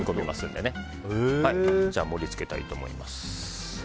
では盛り付けたいと思います。